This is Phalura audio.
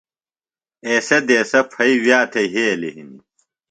ایسےۡ دیسہ پھئیۡ وِیہ تھےۡ یھیلیۡ ہنیۡ